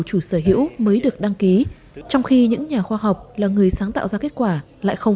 chủ sở hữu mới được đăng ký trong khi những nhà khoa học là người sáng tạo ra kết quả lại không